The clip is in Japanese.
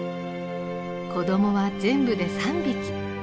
子どもは全部で３匹。